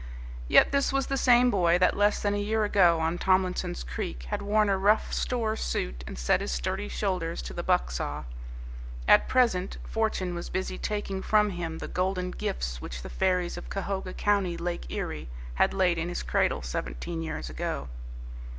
Yet this was the same boy that less than a year ago on Tomlinson's Creek had worn a rough store suit and set his sturdy shoulders to the buck saw. At present Fortune was busy taking from him the golden gifts which the fairies of Cahoga County, Lake Erie, had laid in his cradle seventeen years ago.